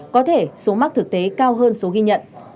có thể số mắc thực tế cao hơn số ghi nhận